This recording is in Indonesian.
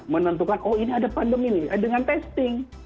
menentukan oh ini ada pandemi nih dengan testing